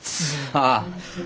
ああ。